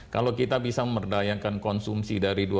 kalau kita bisa memberdayakan kontrak kita bisa mencapai dua lima juta